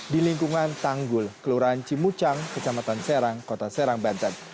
di lingkungan tanggul kelurahan cimucang kecamatan serang kota serang banten